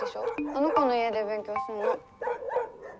あの子の家で勉強すんの。